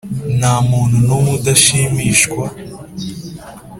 nta muntu n’umwe udashimishwa